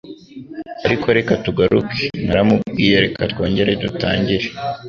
Ariko reka tugaruke naramubwiye reka twongere dutangire